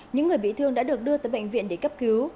những người bị thương đã được đưa tới bệnh viện để cấp cứu